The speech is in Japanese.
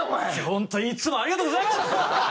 本当にいつもありがとうございます！